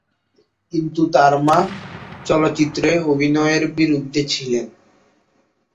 কিন্তু তাঁর মা চলচ্চিত্রে অভিনয়ের বিরুদ্ধে ছিলেন।